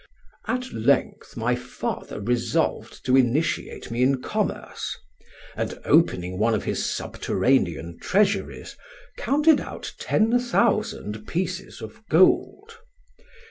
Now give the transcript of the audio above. "At length my father resolved to initiate me in commerce; and, opening one of his subterranean treasuries, counted out ten thousand pieces of gold.